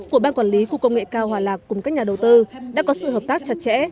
của ban quản lý khu công nghệ cao hòa lạc cùng các nhà đầu tư đã có sự hợp tác chặt chẽ